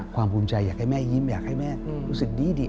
ภูมิใจอยากให้แม่ยิ้มอยากให้แม่รู้สึกดี